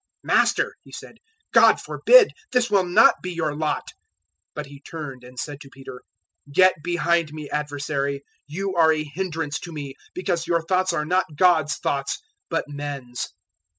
"Master," he said, "God forbid; this will not be your lot." 016:023 But He turned and said to Peter, "Get behind me, Adversary; you are a hindrance to me, because your thoughts are not God's thoughts, but men's."